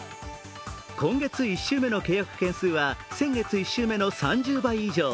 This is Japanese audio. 今月１週目の契約件数は先月１週目の３０倍以上。